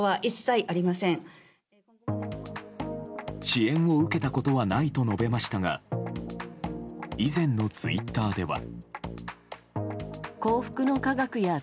支援を受けたことはないと述べましたが以前のツイッターでは。